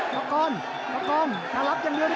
ตอนนี้มันถึง๓